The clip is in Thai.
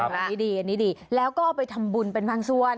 นี่ดีนี่ดีแล้วก็เอาไปทำบุญเป็นภังส่วน